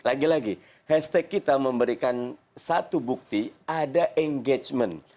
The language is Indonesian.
lagi lagi hashtag kita memberikan satu bukti ada engagement